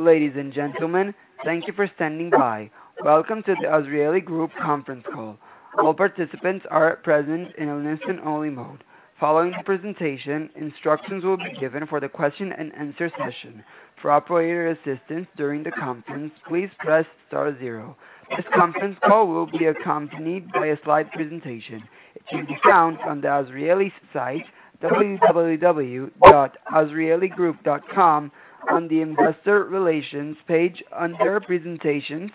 Ladies and gentlemen, thank you for standing by. Welcome to the Azrieli Group conference call. All participants are present in a listen only mode. Following the presentation, instructions will be given for the Q&A session. For operator assistance during the conference, please press star zero. This conference call will be accompanied by a slide presentation. It can be found on the Azrieli site www.azrieligroup.com on the Investor Relations page under presentations,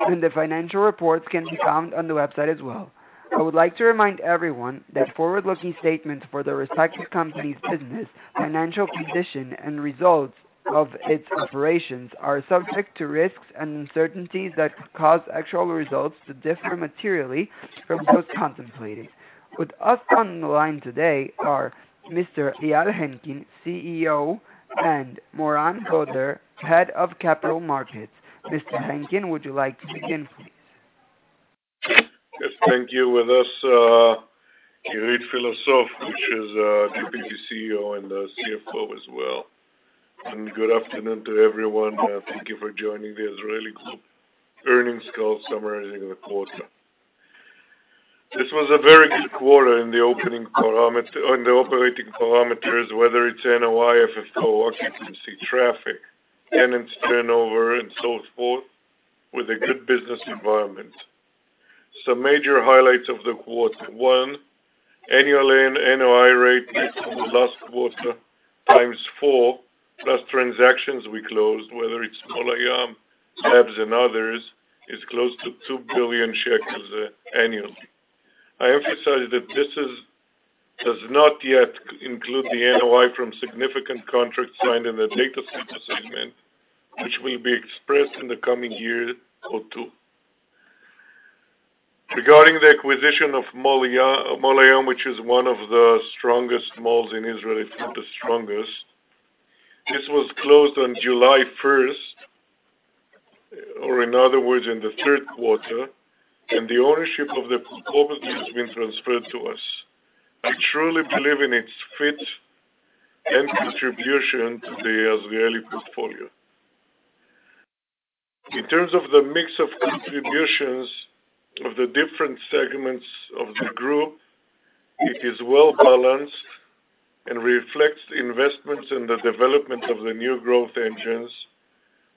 and the financial reports can be found on the website as well. I would like to remind everyone that forward-looking statements for the respective company's business, financial position and results of its operations are subject to risks and uncertainties that could cause actual results to differ materially from those contemplated. With us on the line today are Mr. Eyal Henkin, CEO, and Moran Goder, Head of Capital Markets. Mr. Henkin, would you like to begin, please? Yes, thank you. With us, Irit Sekler-Pilosof, which is, Deputy CEO and CFO as well. Good afternoon to everyone. Thank you for joining the Azrieli Group earnings call summarizing the quarter. This was a very good quarter in the operating parameters, whether it's NOI, FFO, occupancy, traffic, tenants' turnover and so forth, with a good business environment. Some major highlights of the quarter. One, annually NOI rate is the last quarter times four, plus transactions we closed, whether it's Mall Hayam, labs and others, is close to 2 billion shekels annually. I emphasize that this is, does not yet include the NOI from significant contracts signed in the Data Centers segment, which will be expressed in the coming year or two. Regarding the acquisition of Mall Hayam, which is one of the strongest malls in Israel, if not the strongest. This was closed on July 1st, or in other words, in the third quarter, and the ownership of the property has been transferred to us. I truly believe in its fit and contribution to the Azrieli portfolio. In terms of the mix of contributions of the different segments of the group, it is well balanced and reflects the investments in the development of the new growth engines,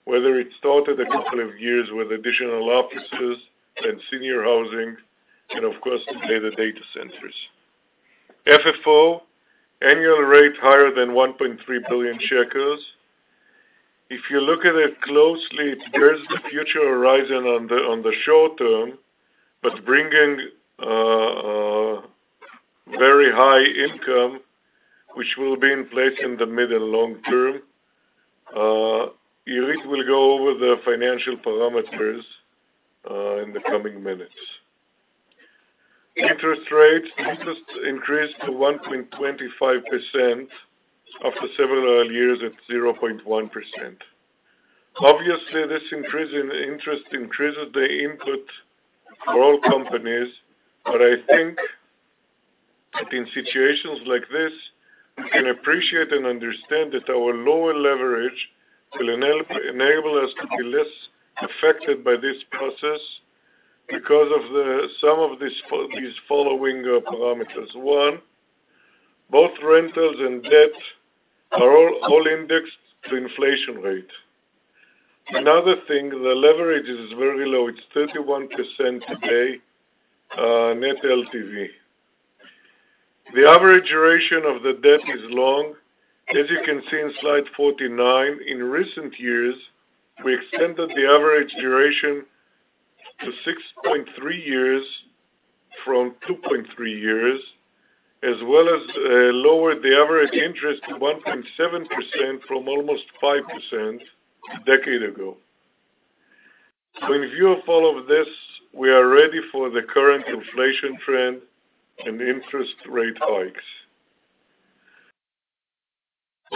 whether it started a couple of years with additional Offices and Senior Housing and of course today, the Data Centers. FFO annual rate higher than 1.3 billion shekels. If you look at it closely, it blurs the future horizon on the short-term but bringing very high income which will be in place in the middle long-term. Irit will go over the financial parameters in the coming minutes. Interest rates increased to 1.25% after several years at 0.1%. Obviously, this increase in interest increases the input for all companies, but I think in situations like this, we can appreciate and understand that our lower leverage will enable us to be less affected by this process because of some of these following parameters. One, both rentals and debt are all indexed to inflation rate. Another thing, the leverage is very low. It's 31% today, net LTV. The average duration of the debt is long. As you can see in slide 49, in recent years, we extended the average duration to 6.3 years from 2.3 years, as well as lowered the average interest to 1.7% from almost 5% a decade ago. In view of all of this, we are ready for the current inflation trend and interest rate hikes.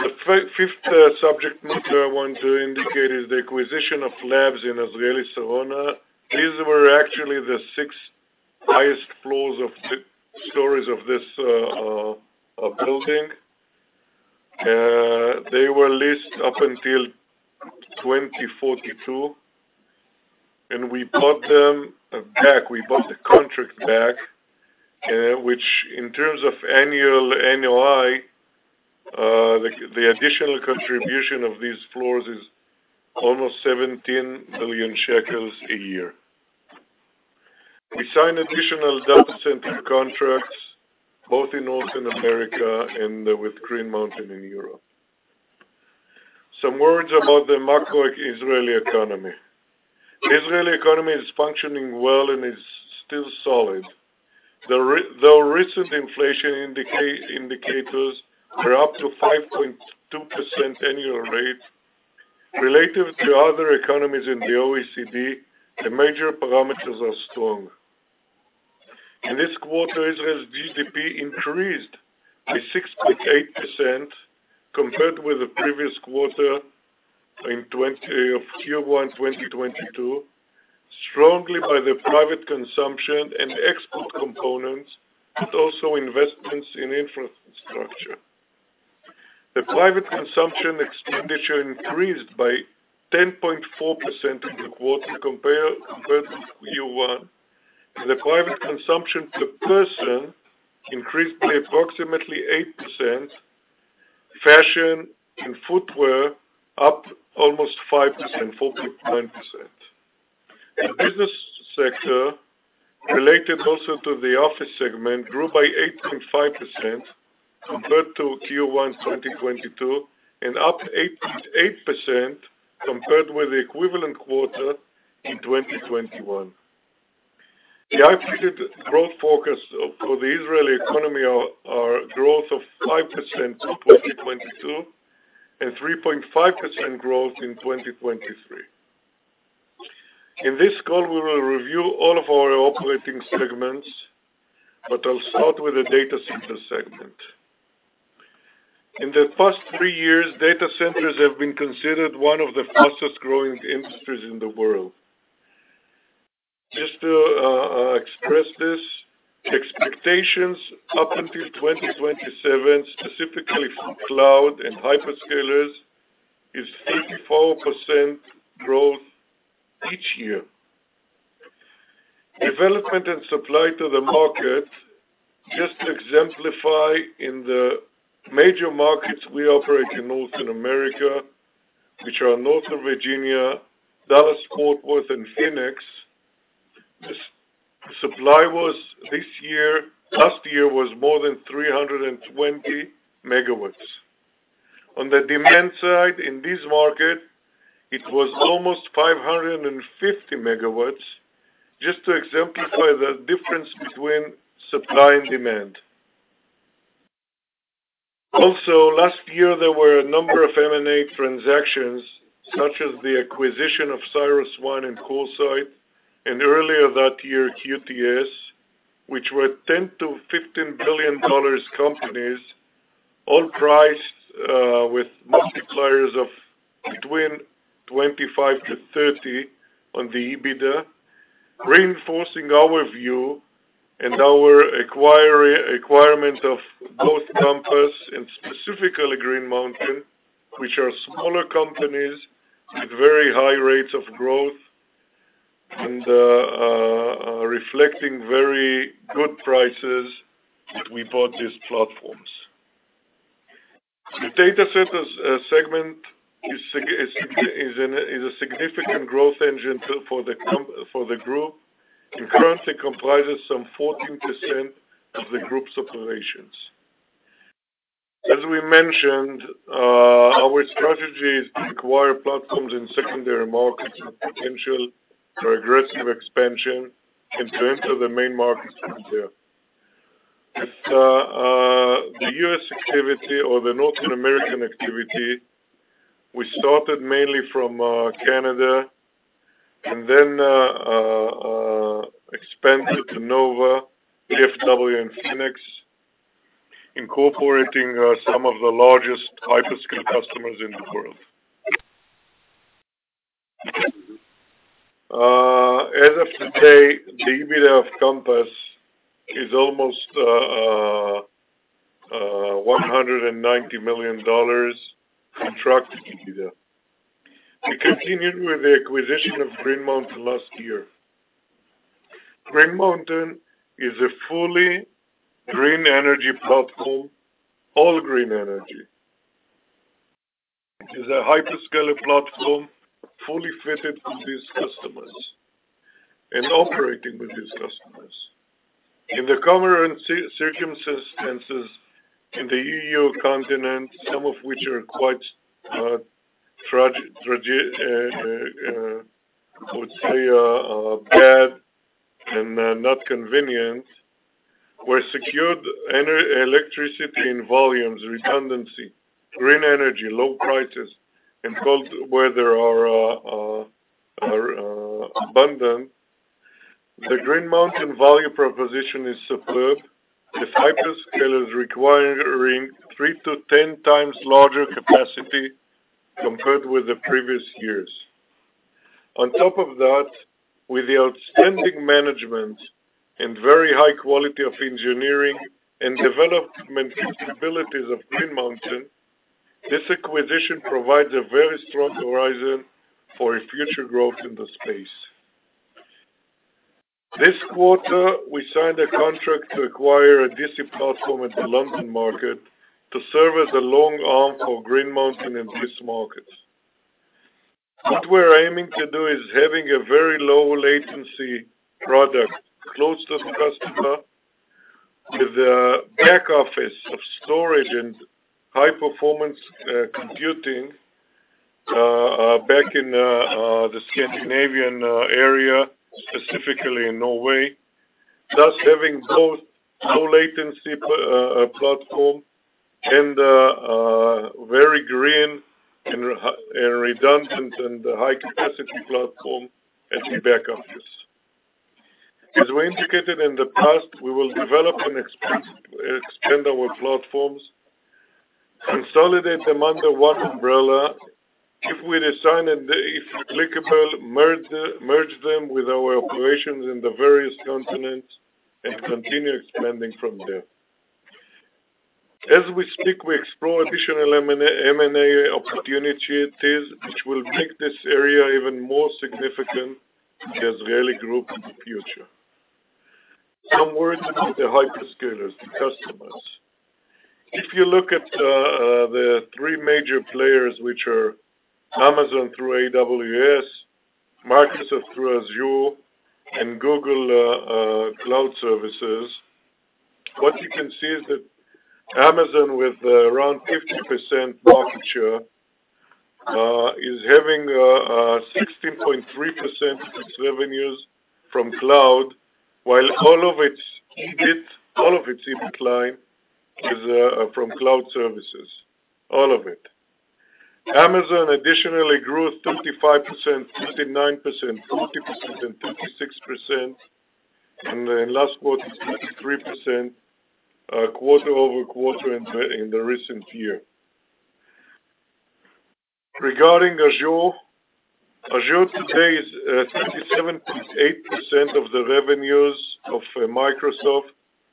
The fifth subject matter I want to indicate is the acquisition of labs in Azrieli Sarona. These were actually the sixth highest floors of stories of this building. They were leased up until 2042, and we bought them back. We bought the contract back, which in terms of annual NOI, the additional contribution of these floors is almost 17 billion shekels a year. We signed additional data center contracts, both in North America and with Green Mountain in Europe. Some words about the macro Israeli economy. Israeli economy is functioning well and is still solid. Though recent inflation indicators are up to 5.2% annual rate, relative to other economies in the OECD, the major parameters are strong. In this quarter, Israel's GDP increased by 6.8% compared with the previous quarter of Q1 2022, strongly by the private consumption and export components, but also investments in infrastructure. The private consumption expenditure increased by 10.4% in the quarter compared to Q1. The private consumption per person increased by approximately 8%. Fashion and footwear up almost 5%, 4.1%. The business sector, related also to the Office segment, grew by 8.5% compared to Q1 2022 and up 8.8% compared with the equivalent quarter in 2021. The GDP growth forecast for the Israeli economy is growth of 5% in 2022, and 3.5% growth in 2023. In this call, we will review all of our operating segments, but I'll start with the Data Centers segment. In the past three years, Data Centers have been considered one of the fastest-growing industries in the world. Just to express this, expectations up until 2027, specifically from cloud and hyperscalers, is 34% growth each year. Development and supply to the market, just to exemplify in the major markets we operate in North America, which are Northern Virginia, Dallas-Fort Worth, and Phoenix. The supply last year was more than 320 MW. On the demand side, in this market, it was almost 550 MW, just to exemplify the difference between supply and demand. Also, last year, there were a number of M&A transactions, such as the acquisition of CyrusOne and CoreSite, and earlier that year, QTS, which were $10 billion-$15 billion companies, all priced with multiples of between 25x-30x on the EBITDA, reinforcing our view and our acquisition of both Compass and specifically Green Mountain, which are smaller companies with very high rates of growth and reflecting very good prices that we bought these platforms. The Data Centers segment is a significant growth engine for the group, and currently comprises some 14% of the group's operations. As we mentioned, our strategy is to acquire platforms in secondary markets with potential for aggressive expansion and to enter the main markets from there. If the U.S. activity or the North American activity, we started mainly from Canada and then expanded to NoVA, DFW, and Phoenix, incorporating some of the largest hyperscalers in the world. As of today, the EBITDA of Compass is almost $190 million contracted EBITDA. We continued with the acquisition of Green Mountain last year. Green Mountain is a fully green energy platform, all green energy. It is a hyperscaler platform, fully fitted with these customers and operating with these customers. In the current circumstances in the EU continent, some of which are quite tragic, I would say, bad and not convenient, were secured electricity in volumes, redundancy, green energy, low prices, and cold weather are abundant. The Green Mountain value proposition is superb, with hyperscalers requiring 3x-10x larger capacity compared with the previous years. On top of that, with the outstanding management and very high quality of engineering and development flexibilities of Green Mountain, this acquisition provides a very strong horizon for a future growth in the space. This quarter, we signed a contract to acquire a DC platform at the London market to serve as a long arm for Green Mountain in this market. What we're aiming to do is having a very low latency product close to the customer, with the back office of storage and high-performance computing back in the Scandinavian area, specifically in Norway. Thus having both low latency platform and very green and redundant and high-capacity platform at the back office. As we indicated in the past, we will develop and extend our platforms, consolidate them under one umbrella. If we decide and if applicable, merge them with our operations in the various continents and continue expanding from there. As we speak, we explore additional M&A opportunities which will make this area even more significant to Azrieli Group in the future. Some words about the hyperscalers, the customers. If you look at the three major players, which are Amazon through AWS, Microsoft through Azure, and Google Cloud Platform, what you can see is that Amazon, with around 50% market share, is having 16.3% of its revenues from cloud, while all of its income line is from cloud services. All of it. Amazon additionally grew 35%, 39%, 40%, and 36%, and then last quarter, 63%, quarter-over-quarter in the recent year. Regarding Azure. Azure today is 27.8% of the revenues of Microsoft,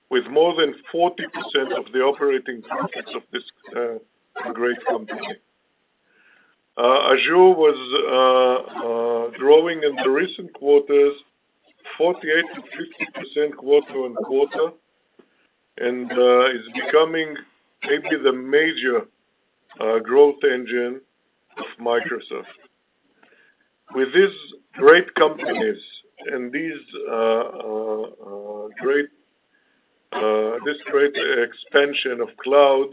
with more than 40% of the operating profits of this great company. Azure was growing in the recent quarters 48%-50% quarter-on-quarter and is becoming maybe the major growth engine of Microsoft. With these great companies and this great expansion of cloud,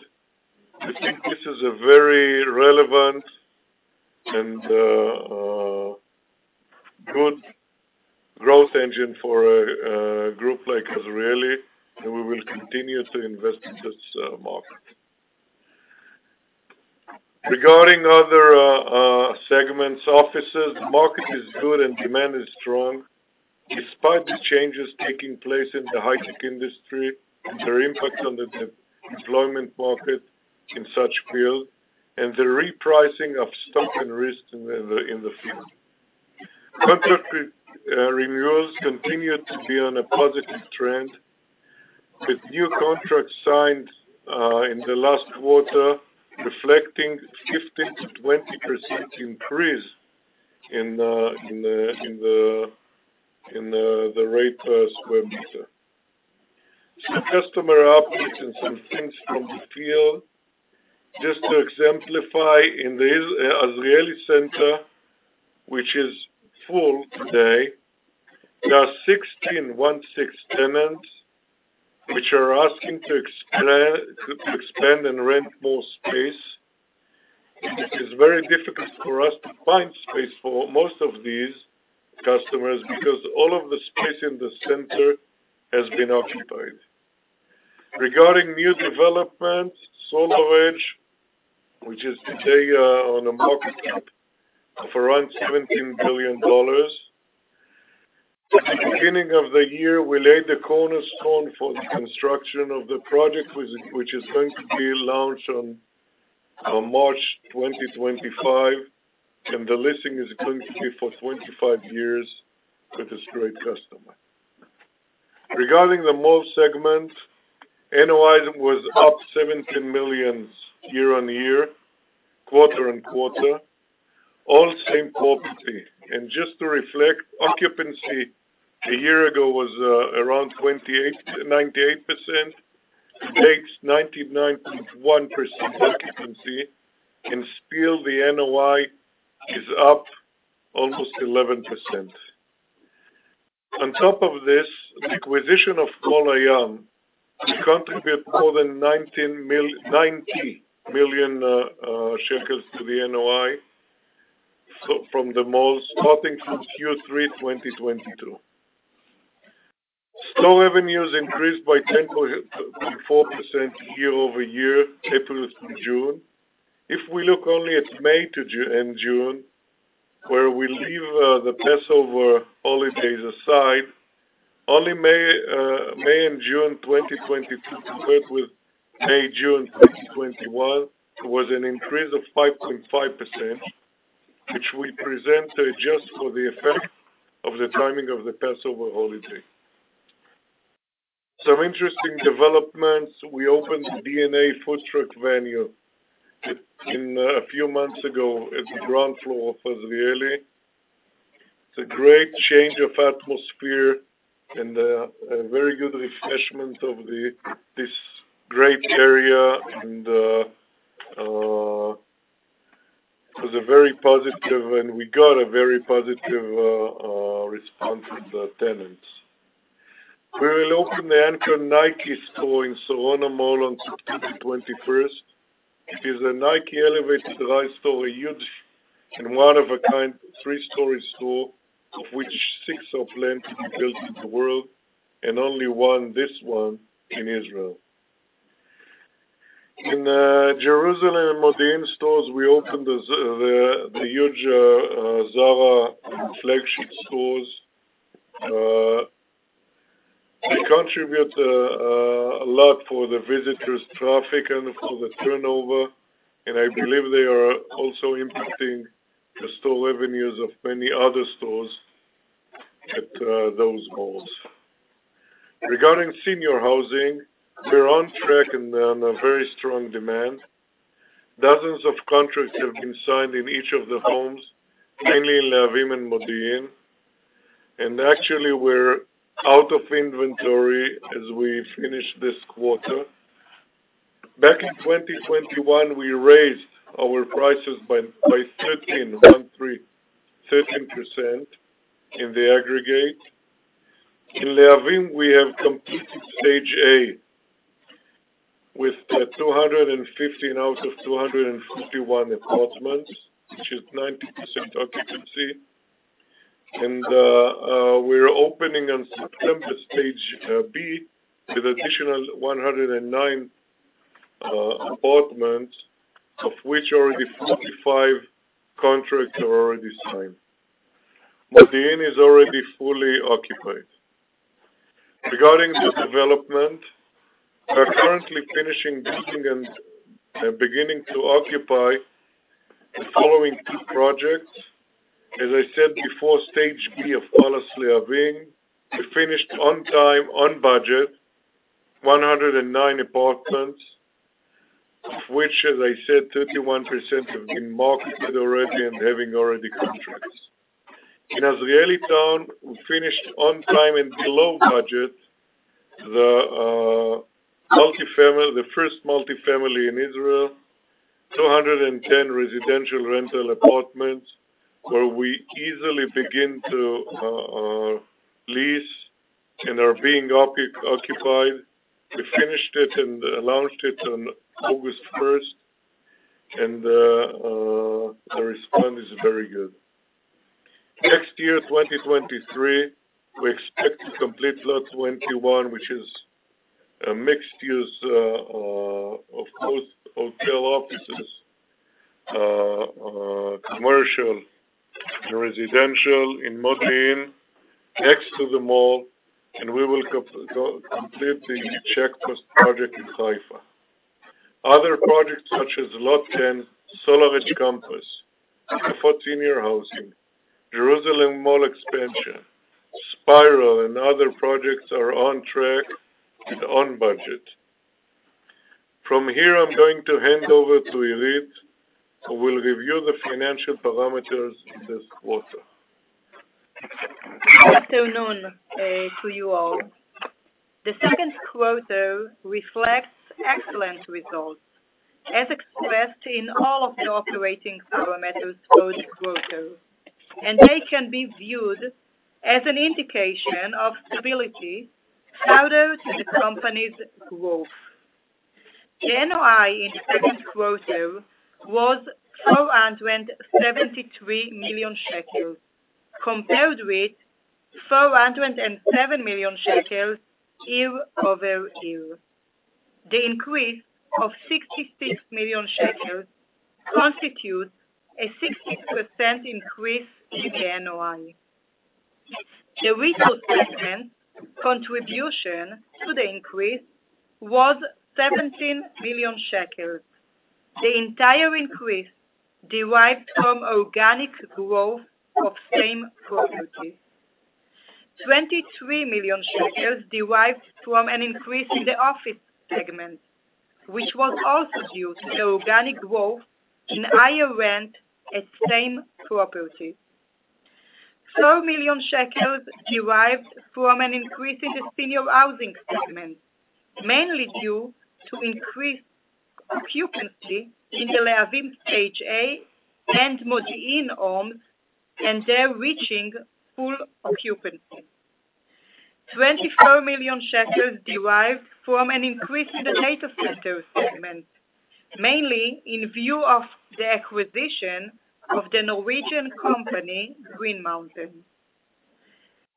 I think this is a very relevant and good growth engine for a group like Azrieli, and we will continue to invest in this market. Regarding other segments, Offices, the market is good and demand is strong, despite the changes taking place in the high-tech industry, their impact on the deployment market in such field, and the repricing of stock and risk in the field. Contract renewals continued to be on a positive trend, with new contracts signed in the last quarter reflecting 15%-20% increase in the rate per square meter. Some customer updates and some things from the field. Just to exemplify, in the Azrieli Center, which is full today, there are 16 tenants which are asking to expand and rent more space, which is very difficult for us to find space for most of these customers because all of the space in the center has been occupied. Regarding new developments, SolarEdge, which is today on a market cap of around $17 billion. At the beginning of the year, we laid the cornerstone for the construction of the project, which is going to be launched on March 2025, and the leasing is going to be for 25 years with this great customer. Regarding the Mall segment, NOI was up ILS 17 million year-on-year, quarter-on-quarter, all same property. Just to reflect, occupancy a year ago was around 98%. Today, it's 99.1% occupancy, and still the NOI is up almost 11%. On top of this, the acquisition of Mall Hayam will contribute more than 90 million shekels to the NOI, so from the malls starting from Q3 2022. Store revenues increased by 10.4% year-over-year, April through June. If we look only at May to June, where we leave the Passover holidays aside, only May and June 2022 compared with May and June 2021 was an increase of 5.5%, which we present adjusted for the effect of the timing of the Passover holiday. Some interesting developments. We opened the DNA food truck venue a few months ago at the ground floor of Azrieli. It's a great change of atmosphere and a very good refreshment of this great area and it was very positive and we got a very positive response from the tenants. We will open the anchor Nike store in Sarona Mall on September 21st. It is a Nike elevated rise store, a huge and one-of-a-kind three-story store, of which six are planned to be built in the world, and only one, this one, in Israel. In Jerusalem and Modi'in stores, we opened the huge Zara flagship stores. They contribute a lot for the visitor traffic and for the turnover, and I believe they are also impacting the store revenues of many other stores at those malls. Regarding Senior Housing, we're on track with very strong demand. Dozens of contracts have been signed in each of the homes, mainly in Lehavim and Modi'in. Actually we're out of inventory as we finish this quarter. Back in 2021, we raised our prices by 13% in the aggregate. In Lehavim, we have completed Stage A with 215 out of 251 apartments, which is 90% occupancy. We're opening in September Stage B with additional 109 apartments, of which already 45 contracts are already signed. Modi'in is already fully occupied. Regarding the development, we are currently finishing building and beginning to occupy the following two projects. As I said before, Stage B of Palace Lehavim, we finished on time, on budget, 109 apartments, of which, as I said, 31% have been marketed already and having already contracts. In Azrieli Town, we finished on time and below budget, the multifamily, the first multifamily in Israel, 210 residential rental apartments, where we easily begin to lease and are being occupied. We finished it and launched it on August 1st, and the response is very good. Next year, 2023, we expect to complete Lot 21, which is a mixed-use of both hotel, offices, commercial, residential in Modi'in next to the mall, and we will complete the Checkpost project in Haifa. Other projects, such as Lot 10, SolarEdge Campus, the Senior Housing, Jerusalem Mall expansion, Spiral, and other projects are on track and on budget. From here, I'm going to hand over to Irit, who will review the financial parameters of this quarter. Good afternoon, to you all. The second quarter reflects excellent results, as expressed in all of the operating parameters for the quarter, and they can be viewed as an indication of stability further to the company's growth. NOI in the second quarter was 473 million shekels, compared with 407 million shekels year-over-year. The increase of 66 million shekels constitutes a 60% increase in the NOI. The Resource segment contribution to the increase was 17 million shekels. The entire increase derived from organic growth of same properties. 23 million shekels derived from an increase in the Office segment, which was also due to organic growth in higher rent at same properties. 4 million shekels derived from an increase in the Senior Housing segment, mainly due to increased occupancy in the Lehavim Stage A and Modi'in homes, and they're reaching full occupancy. 24 million shekels derived from an increase in the Data Centers segment, mainly in view of the acquisition of the Norwegian company, Green Mountain.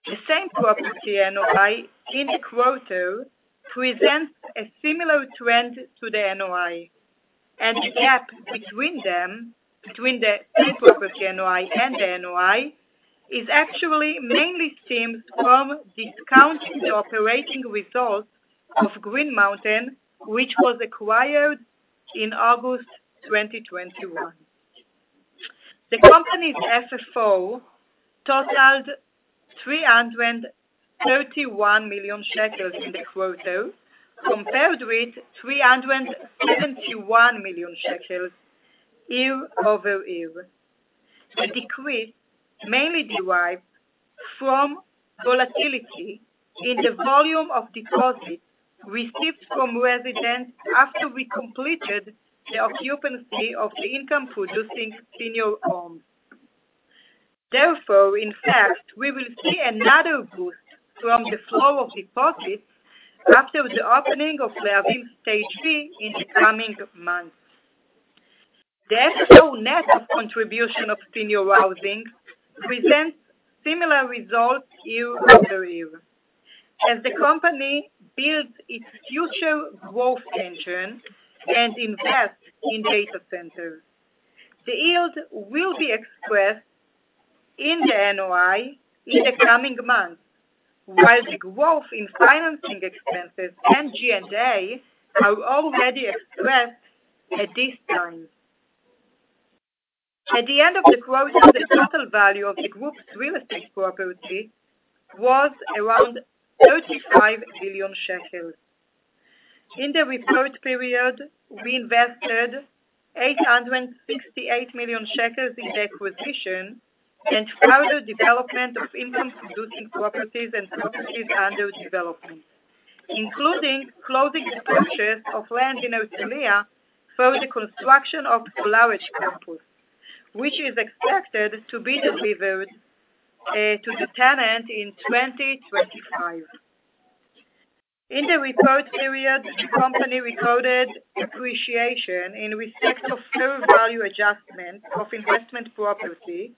The same property NOI in the quarter presents a similar trend to the NOI, and the gap between them, between the same property NOI and the NOI, is actually mainly stems from discounting the operating results of Green Mountain, which was acquired in August 2021. The company's FFO totaled 331 million shekels in the quarter, compared with 371 million shekels year-over-year. The decrease mainly derived from volatility in the volume of deposits received from residents after we completed the occupancy of the income-producing senior homes. Therefore, in fact, we will see another boost from the flow of deposits after the opening of Lehavim Stage B in the coming months. The FFO net of contribution of Senior Housing presents similar results year-over-year. As the company builds its future growth engine and invest in Data Centers, the yield will be expressed in the NOI in the coming months, while the growth in financing expenses and G&A is already expressed at this time. At the end of the quarter, the total value of the group's real estate property was around 35 billion shekels. In the report period, we invested 868 million shekels in the acquisition and further development of income-producing properties and properties under development, including closing the purchase of land in Herzliya for the construction of SolarEdge Campus, which is expected to be delivered to the tenant in 2025. In the report period, the company recorded depreciation in respect of fair value adjustment of investment property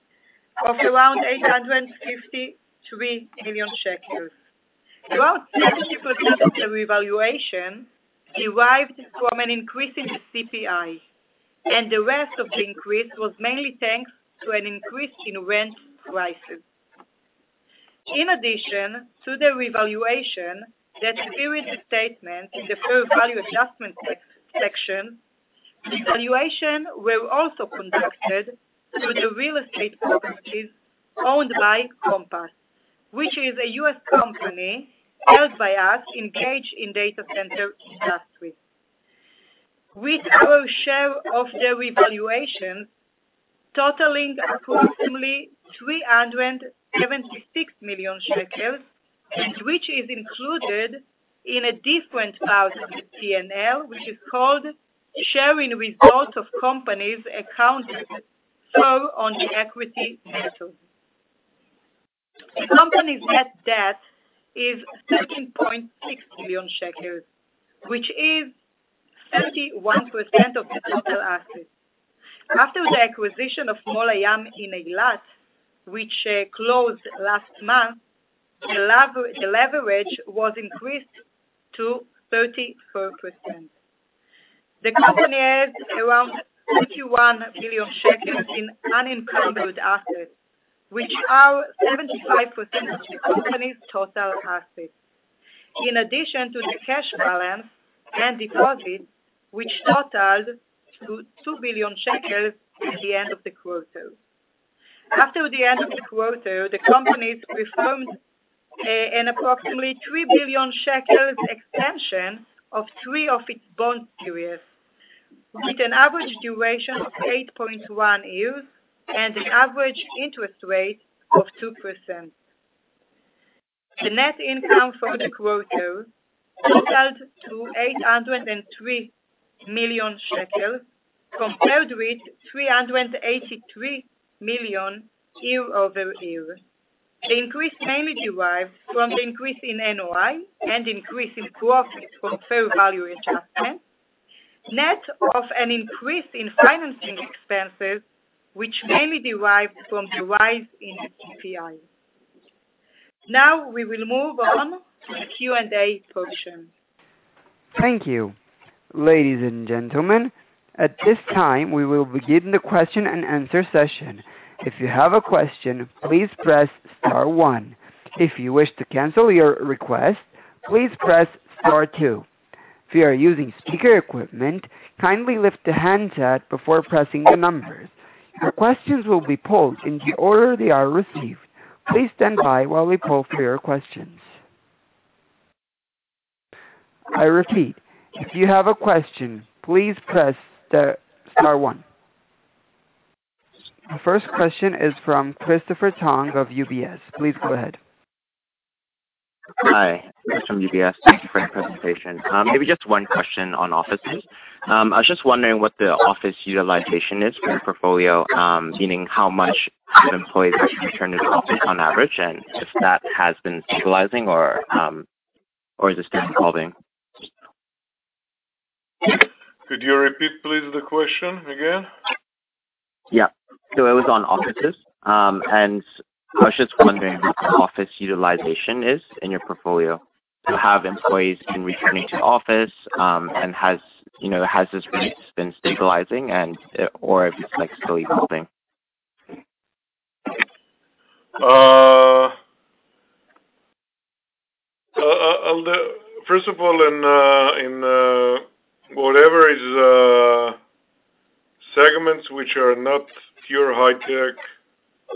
of around 853 million shekels. About 60% of the revaluation derived from an increase in the CPI, and the rest of the increase was mainly thanks to an increase in rent prices. In addition to the revaluation that appears in the statement in the fair value adjustment section, the valuation was also conducted through the real estate properties owned by Compass, which is a U.S. company held by us engaged in data center industry. With our share of the revaluations totaling approximately 376 million shekels, and which is included in a different part of the P&L, which is called share of results of companies accounted for on the equity method. The company's net debt is 13.6 billion shekels, which is 31% of the total assets. After the acquisition of Mall Hayam in Eilat, which closed last month, the leverage was increased to 34%. The company has around 51 billion shekels in unencumbered assets, which are 75% of the company's total assets. In addition to the cash balance and deposits, which totaled to 2 billion shekels at the end of the quarter. After the end of the quarter, the company performed an approximately 3 billion shekels extension of three of its bond series with an average duration of 8.1 years and an average interest rate of 2%. The net income for the quarter totaled to 803 million shekels, compared with 383 million year-over-year. The increase mainly derived from the increase in NOI and increase in profits from fair value adjustments, net of an increase in financing expenses, which mainly derived from the rise in CPI. Now we will move on to the Q&A portion. Thank you. Ladies and gentlemen, at this time, we will be giving the Q&A session. If you have a question, please press star one. If you wish to cancel your request, please press star two. If you are using speaker equipment, kindly lift the handset before pressing the numbers. Your questions will be pulled in the order they are received. Please stand by while we pull for your questions. I repeat, if you have a question, please press the star one. Our first question is from Christopher Tong of UBS. Please go ahead. Hi. Chris from UBS. Thank you for your presentation. Maybe just one question on offices. I was just wondering what the office utilization is for your portfolio, meaning how much of employees are returning to office on average, and if that has been stabilizing or is it still falling? Could you repeat, please, the question again? Yeah. It was on Offices. I was just wondering what the office utilization is in your portfolio to have employees in returning to office, and, you know, has this been stabilizing, or if it's, like, still evolving. First of all, in whatever segments which are not pure high tech,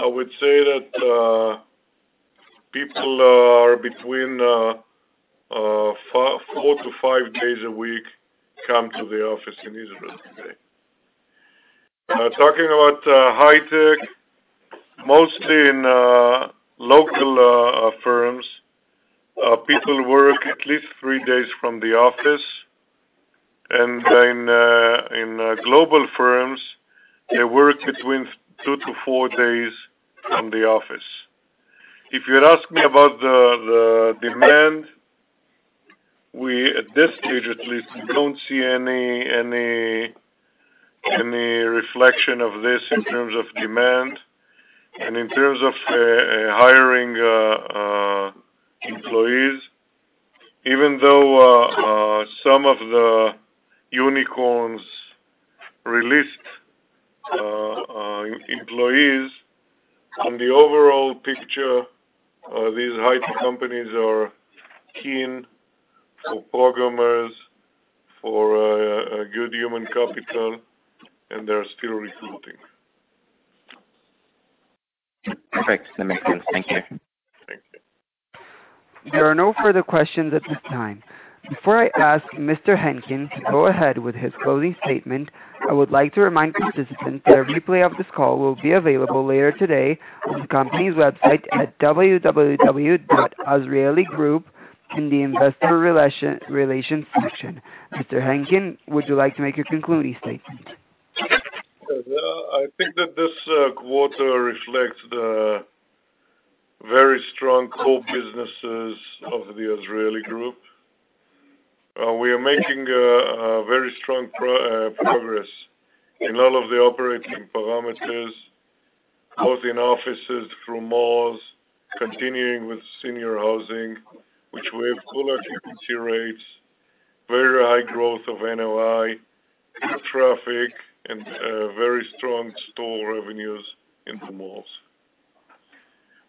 I would say that people are between four to five days a week come to the office in Israel today. Talking about high tech, mostly in local firms, people work at least three days from the office. In global firms, they work between two to four days from the office. If you're asking about the demand. At this stage, at least, we don't see any reflection of this in terms of demand and in terms of hiring employees. Even though some of the unicorns released employees, on the overall picture, these high-tech companies are keen for programmers, for a good human capital, and they're still recruiting. Perfect. That makes sense. Thank you. Thank you. There are no further questions at this time. Before I ask Mr. Henkin to go ahead with his closing statement, I would like to remind participants that a replay of this call will be available later today on the company's website at www.azrieligroup.com in the Investor Relations section. Mr. Henkin, would you like to make your concluding statement? Yeah. I think that this quarter reflects the very strong core businesses of the Azrieli Group. We are making a very strong progress in all of the operating parameters, both in Offices through Malls, continuing with Senior Housing, which we have full occupancy rates, very high growth of NOI, good traffic, and very strong store revenues in the Malls.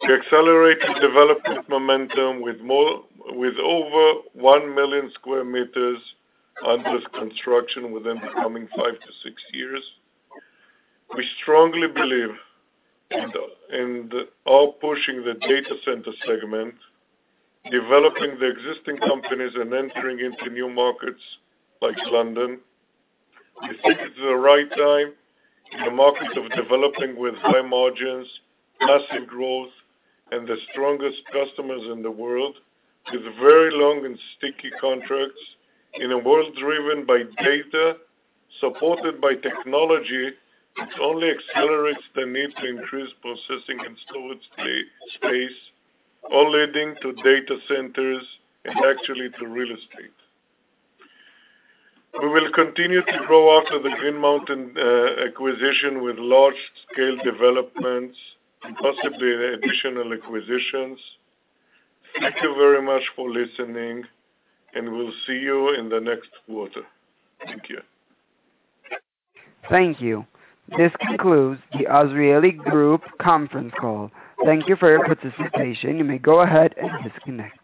We accelerated development momentum with over 1 million square meters under construction within the coming five years to six years. We strongly believe in pushing the data center segment, developing the existing companies, and entering into new markets like London. We think it's the right time in the markets of developing with high margins, massive growth, and the strongest customers in the world, with very long and sticky contracts in a world driven by data, supported by technology which only accelerates the need to increase processing and storage space, all leading to data centers and actually to real estate. We will continue to grow after the Green Mountain acquisition with large-scale developments and possibly additional acquisitions. Thank you very much for listening, and we'll see you in the next quarter. Thank you. Thank you. This concludes the Azrieli Group conference call. Thank you for your participation. You may go ahead and disconnect.